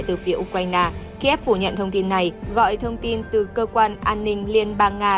từ phía ukraine kiev phủ nhận thông tin này gọi thông tin từ cơ quan an ninh liên bang nga